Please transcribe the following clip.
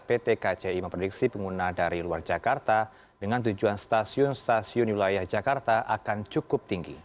pt kci memprediksi pengguna dari luar jakarta dengan tujuan stasiun stasiun wilayah jakarta akan cukup tinggi